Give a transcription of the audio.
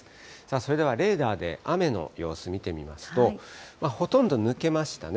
それではレーダーで雨の様子見てみますと、ほとんど抜けましたね。